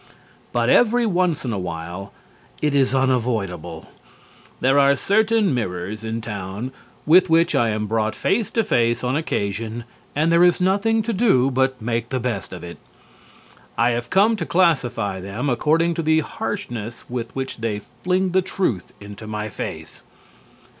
But every once in a while it is unavoidable. There are certain mirrors in town with which I am brought face to face on occasion and there is nothing to do but make the best of it. I have come to classify them according to the harshness with which they fling the truth into my face.